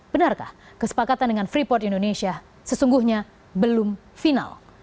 benarkah kesepakatan dengan freeport indonesia sesungguhnya belum final